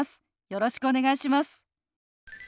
よろしくお願いします。